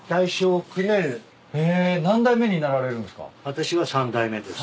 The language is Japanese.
私は三代目です。